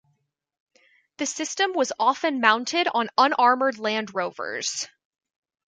The system was often mounted on unarmoured Land Rovers.